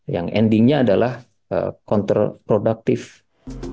yang endingnya adalah counterproductive